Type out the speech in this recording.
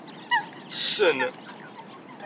Ttessen.